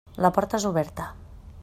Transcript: La porta és oberta.